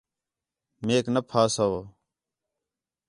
میک نا پھاسَؤ